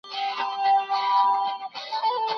ولسمشر د اساسي قانون ساتونکی و.